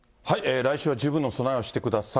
来週は十分な備えをしてください。